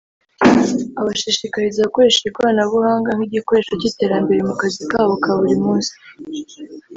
abashishikariza gukoresha ikoranabuhanga nk’igikoresho cy’iterambere mu kazi kabo ka buri munsi